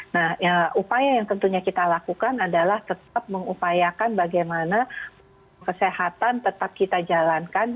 nah upaya yang tentunya kita lakukan adalah tetap mengupayakan bagaimana kesehatan tetap kita jalankan